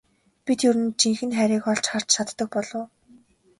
Бид ер нь жинхэнэ хайрыг олж харж чаддаг болов уу?